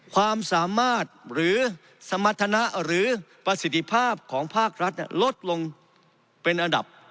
ความสามารถหรือสมรรถนะหรือประสิทธิภาพของภาครัฐลดลงเป็นอันดับ